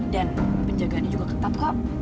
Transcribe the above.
dan penjagaannya juga ketat kok